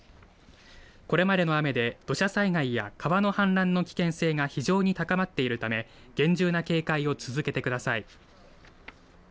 これまでの雨で土砂災害や川の氾濫の危険性が非常に高まっているため厳重な警戒を続けてください。